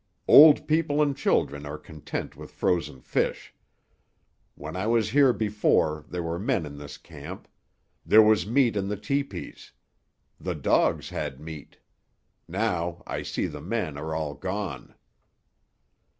"Old people and children are content with frozen fish. When I was here before there were men in this camp. There was meat in the tepees. The dogs had meat. Now I see the men are all gone."